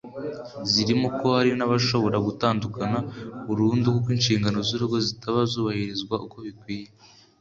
zirimo ko hari n’abashobora gutandukana burundu kuko inshingano z’urugo zitaba zubahirizwa uko bikwiye